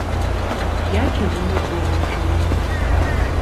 Я кірую домам жылым.